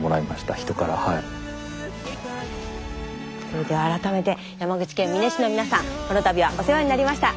それでは改めて山口県美祢市のみなさんこの度はお世話になりました。